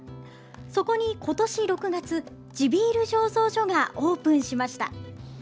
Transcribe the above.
そこに、今年６月地ビール醸造所がオープンしました。